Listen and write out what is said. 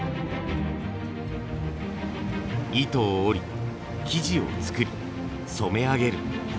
糸を織り生地を作り染め上げる。